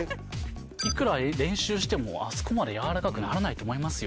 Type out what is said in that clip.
いくら練習しても、あそこまで柔らかくならないと思いますよ。